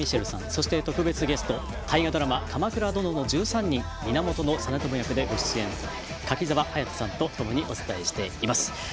そして特別ゲスト大河ドラマ「鎌倉殿の１３人」源実朝役でご出演、柿澤勇人さんとともにお伝えします。